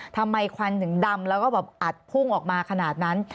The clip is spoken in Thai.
ควันถึงดำแล้วก็แบบอัดพุ่งออกมาขนาดนั้น